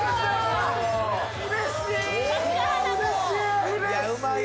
うれしい！